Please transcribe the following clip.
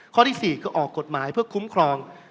ข้อที่๔ก็ออกกฎหมายเพื่อคุ้มครอง